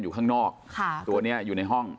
ข้างนอกตัวนี้อยู่ในห้อง